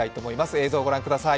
映像をご覧ください。